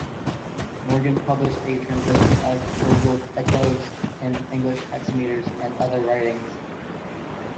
Morgan published a translation of Virgil's "Eclogues" in English hexameters, and other writings.